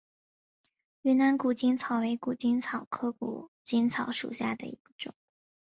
云南谷精草为谷精草科谷精草属下的一个种。